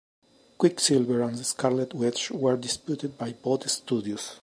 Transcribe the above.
Quicksilver and Scarlet Witch were disputed by both studios.